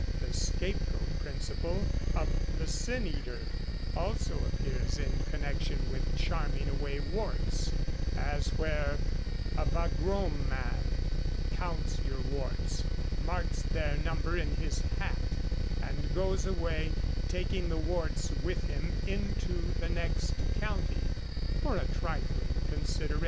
The scapegoat principle of the sin eater also appears in connection with charming away warts, as where a 'vagrom man' counts your warts, marks their number in his hat, and goes away, taking the warts with him into the next county for a trifling consideration.